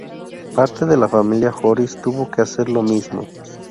Parte de la familia Joris tuvo que hacer lo mismo.